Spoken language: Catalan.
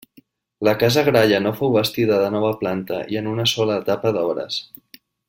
La casa Gralla no fou bastida de nova planta i en una sola etapa d'obres.